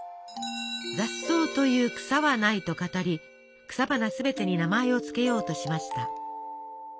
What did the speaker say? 「雑草という草はない」と語り草花すべてに名前を付けようとしました。